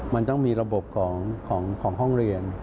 มันต้องมีระบบของห้องเรียน